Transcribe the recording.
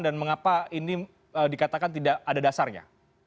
dan mengapa ini dikatakan tidak ada dasarnya